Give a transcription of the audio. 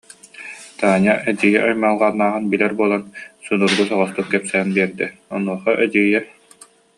Таня эдьиийэ аймалҕаннааҕын билэр буолан, судургу соҕустук кэпсээн биэрдэ, онуоха эдьиийэ: